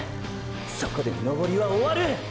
そこで登りは終わる！！